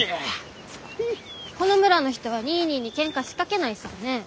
この村の人はニーニーにケンカ仕掛けないさぁねぇ。